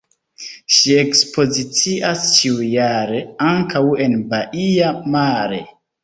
Ŝi ekspozicias ĉiujare ankaŭ en Baia Mare.